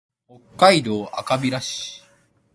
北海道赤平市